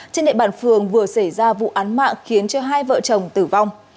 trên địa bàn phường vừa xảy ra vụ án mạng khiến cho hai vợ chồng tử vong